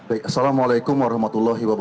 assalamualaikum wr wb